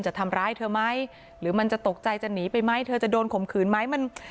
จะทำร้ายเธอไหมหรือมันจะตกใจจะหนีไปไหมเธอจะโดนข่มขืนไหม